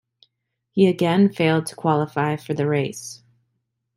He again failed to qualify for the race.